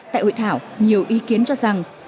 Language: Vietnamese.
tại hội thảo nhiều ý kiến cho rằng